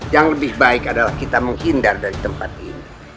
yang lebih baik adalah kita menghindar dari tempat ini